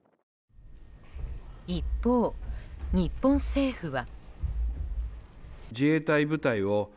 一方、日本政府は。